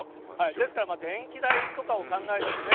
ですから、電気代とかを考えてもね。